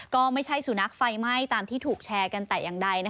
ก็ไม่ใช่สุนัขไฟไหม้ตามที่ถูกแชร์กันแต่อย่างใด